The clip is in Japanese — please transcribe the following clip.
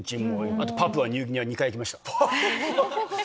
あとパプアニューギニアは２回行きました。